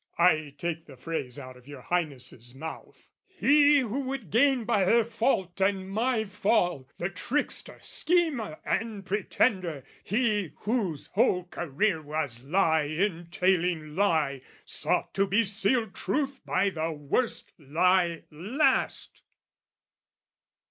(I take the phrase out of your Highness' mouth) "He who would gain by her fault and my fall, "The trickster, schemer, and pretender he "Whose whole career was lie entailing lie "Sought to be sealed truth by the worst lie last!"